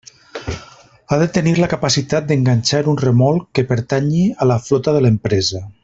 Ha de tenir la capacitat d'enganxar un remolc que pertanyi a la flota de l'empresa.